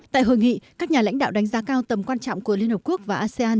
tại hội nghị các nhà lãnh đạo đánh giá cao tầm quan trọng của liên hợp quốc và asean